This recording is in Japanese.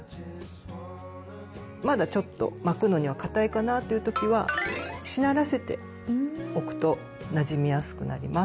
まだちょっと巻くのにはかたいかなっていう時はしならせておくとなじみやすくなります。